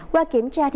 qua kiểm tra